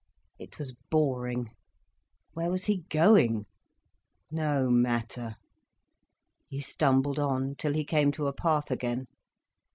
It was boring. Where was he going? No matter. He stumbled on till he came to a path again.